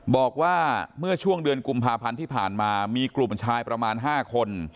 บอกว่าเมื่อช่วงเดือนกุมภาพันธ์ที่ผ่านมามีกลุ่มชายประมาณ๕คน